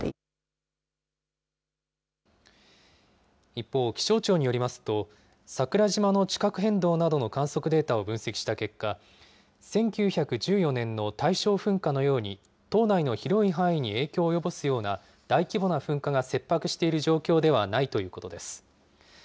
一方、気象庁によりますと、桜島の地殻変動などの観測データを分析した結果、１９１４年の大正噴火のように、島内の広い範囲に影響を及ぼすような大規模な噴火が切迫している状況ではないということです。